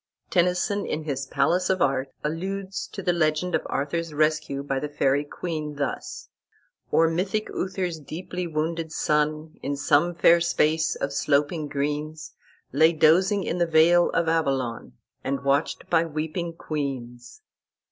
Tennyson, in his "Palace of Art," alludes to the legend of Arthur's rescue by the Faery queen, thus: "Or mythic Uther's deeply wounded son, In some fair space of sloping greens, Lay dozing in the vale of Avalon, And watched by weeping queens."